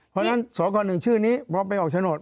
เพราะฉะนั้นสก๑ชื่อนี้พอไปออกโฉนด